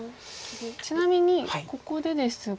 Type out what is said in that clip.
ちなみにここでですが。